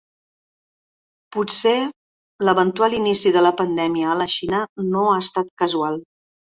Potser l’eventual inici de la pandèmia a la Xina no ha estat casual.